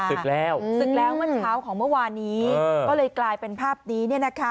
ศึกแล้วมั่นเช้าของเมื่อวานนี้ก็เลยกลายเป็นภาพนี้